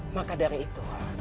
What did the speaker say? maka dari itu